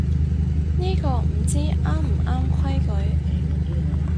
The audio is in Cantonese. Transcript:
呢個唔知啱唔啱規矩